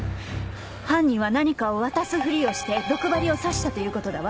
犯人は何かを渡すふりをして毒針を刺したということだわ。